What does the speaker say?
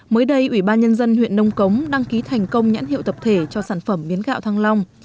mới đây ủy ban nhân dân huyện nông cống đăng ký thành công nhãn hiệu tập thể cho sản phẩm miến gạo thăng long